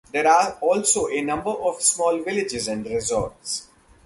There are also a number of small villages and resorts.